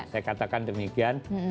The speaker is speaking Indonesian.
saya katakan demikian